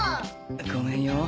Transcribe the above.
ごめんよ。